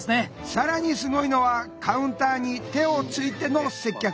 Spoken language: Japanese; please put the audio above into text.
さらにすごいのはカウンターに手をついての接客。